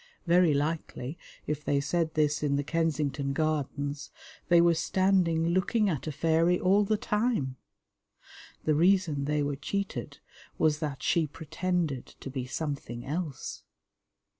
Very likely if they said this in the Kensington Gardens, they were standing looking at a fairy all the time. The reason they were cheated was that she pretended to be something else.